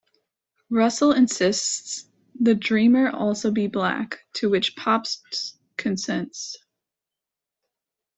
Russell insists the dreamer also be black, to which Pabst consents.